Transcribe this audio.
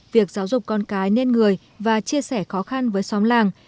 việc giáo dục con cái nên người và chia sẻ khó khăn với xóm làng